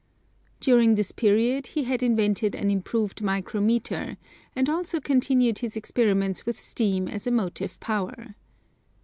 During this period he had invented an improved micrometer, and also continued his experiments with steam as a motive power.